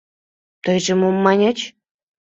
Тыйже мом маньыч?